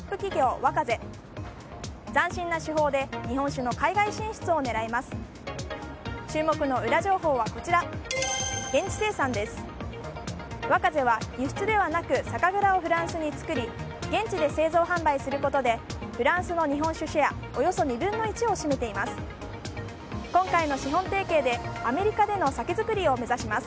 ＷＡＫＡＺＥは、輸出ではなく酒蔵をフランスに作り現地で製造・販売することでフランスの日本酒シェアおよそ２分の１を占めています。